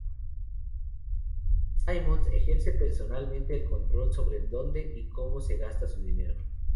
Simons ejerce personalmente el control sobre dónde y cómo se gasta su dinero.